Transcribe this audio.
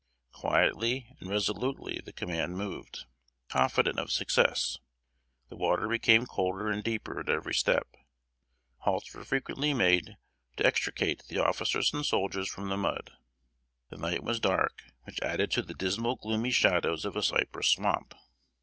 Quietly and resolutely the command moved, confident of success. The water became colder and deeper at every step; halts were frequently made to extricate the officers and soldiers from the mud. The night was dark, which added to the dismal gloomy shadows of a cypress swamp.